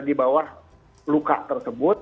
di bawah luka tersebut